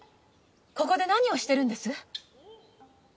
ここで何をしてるんです？